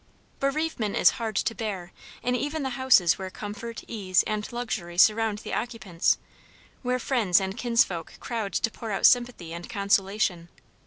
Bereavement is hard to bear in even the houses where comfort, ease, and luxury surround the occupants, where friends and kinsfolk crowd to pour out sympathy and consolation.